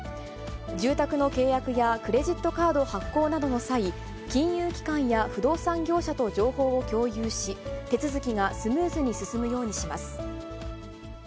住宅の契約やクレジットカード発行などの際、金融機関や不動産業者と情報を共有し、手続きがスムーズに進むようにします。